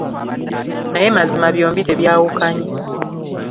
Naye mazima byombi tebyawukanye.